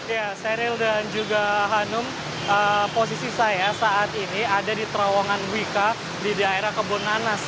ya seril dan juga hanum posisi saya saat ini ada di terowongan wika di daerah kebun nanas